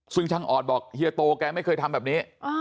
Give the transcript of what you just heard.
ซึ่งช่างออดบอกเฮียโตแกไม่เคยทำแบบนี้